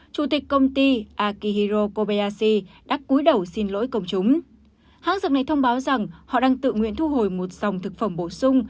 chủ tịch công ty akihiro kobeyashi đã cúi đầu xin lỗi công chúng hãng dược này thông báo rằng họ đang tự nguyện thu hồi một dòng thực phẩm bổ sung